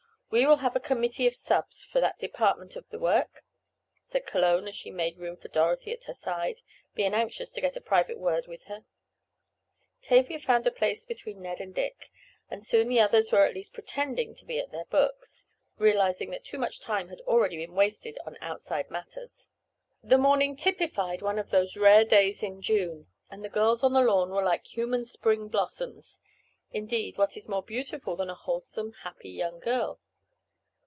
We will have a committee of subs, for that department of the work," said Cologne as she made room for Dorothy at her side, being anxious to get a private word with her. Tavia found a place between Ned and Dick, and soon the others were at least pretending to be at their books, realizing that too much time had already been wasted on outside matters. The morning typified one of those rare days in June, and the girls on the lawn were like human spring blossoms—indeed what is more beautiful than a wholesome, happy young girl?